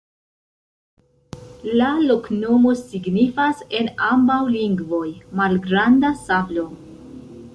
La loknomo signifas en ambaŭ lingvoj: malgranda sablo.